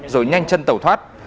rồi nhanh chân tẩu thoát